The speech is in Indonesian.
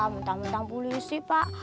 mentang mentang polisi pak